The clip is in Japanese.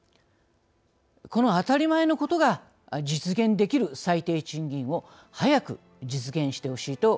この当たり前のことが実現できる最低賃金を早く実現してほしいと思います。